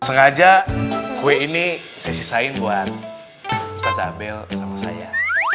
sengaja kue ini saya sisain buat ustadz abel sama saya